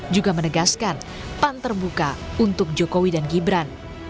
juga menegaskan pan terbuka untuk jokowi dan gibran